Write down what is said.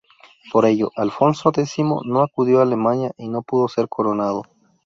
Por ello, Alfonso X no acudió a Alemania y no pudo ser coronado.